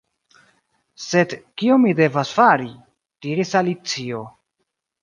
"Sed kion mi devas fari?" diris Alicio.